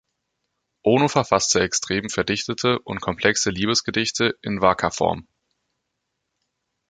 Ono verfasste extrem verdichtete und komplexe Liebesgedichte in Waka-Form.